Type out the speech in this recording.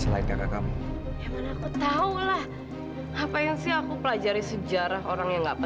lu tuh emang perempuan murahan ya